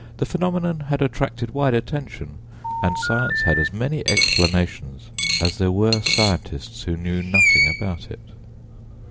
The phenomenon had attracted wide attention, and science had as many explanations as there were scientists who knew nothing about it.